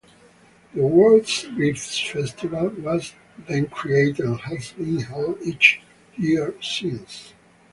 The Worlds Grits Festival was then created and has been held each year since.